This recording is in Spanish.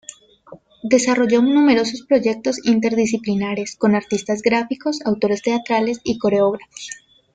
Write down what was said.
Desarrolló numerosos proyectos interdisciplinares, con artistas gráficos, autores teatrales y coreógrafos.